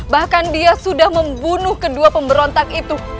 bahkan dia sudah membunuh kedua pemberontak itu